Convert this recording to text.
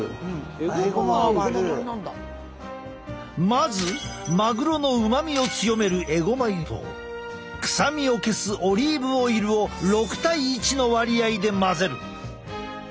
まずマグロの旨味を強めるえごま油と臭みを消すオリーブオイルを６対１の割合で混ぜる。